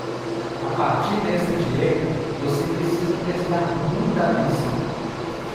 A partir desta dieta, você precisa prestar muita atenção.